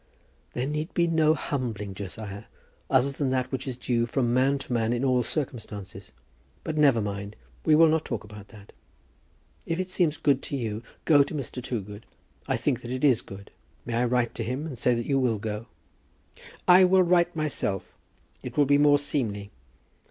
"There need be no humbling, Josiah, other than that which is due from man to man in all circumstances. But never mind; we will not talk about that. If it seems good to you, go to Mr. Toogood. I think that it is good. May I write to him and say that you will go?" "I will write myself; it will be more seemly."